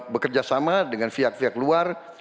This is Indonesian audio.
bekerja sama dengan pihak pihak luar